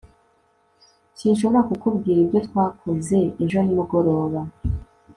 sinshobora kukubwira ibyo twakoze ejo nimugoroba